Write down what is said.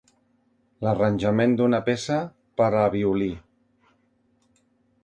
L'arranjament d'una peça per a violí.